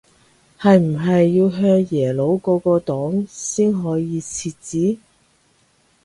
係唔係要向耶魯嗰個檔先可以設置